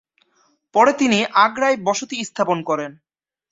পরে তিনি আগ্রায় বসতি স্থাপন করেন।